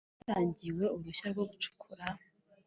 hatangiwe uruhushya rwo gucukura